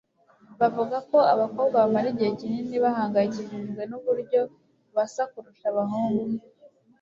bavuga ko abakobwa bamara igihe kinini bahangayikishijwe nuburyo basa kurusha abahungu.